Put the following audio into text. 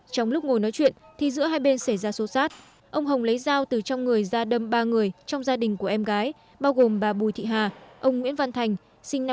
trong lúc ngồi nói chuyện thì giữa hai bên xảy ra xô xát ông hồng lấy dao từ trong người ra đâm ba người trong gia đình của em gái bao gồm bà bùi thị hà ông nguyễn văn thành sinh năm một nghìn chín trăm tám mươi